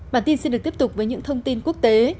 bản tin xin được tiếp tục với những thông tin quốc tế